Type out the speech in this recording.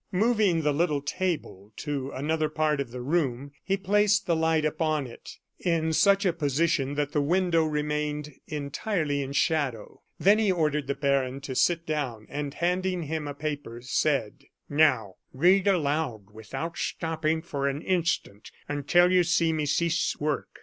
Moving the little table to another part of the room, he placed the light upon it, in such a position that the window remained entirely in shadow. Then he ordered the baron to sit down, and handing him a paper, said: "Now read aloud, without stopping for an instant, until you see me cease work."